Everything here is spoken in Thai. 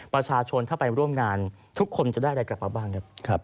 ประชาชนถ้าไปร่วมงานทุกคนจะได้อะไรกลับมาบ้างครับ